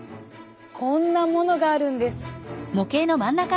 こんなものがあるんです。